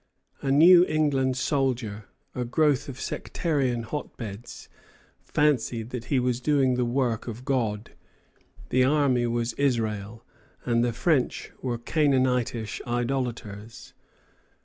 The New England soldier, a growth of sectarian hotbeds, fancied that he was doing the work of God. The army was Israel, and the French were Canaanitish idolaters.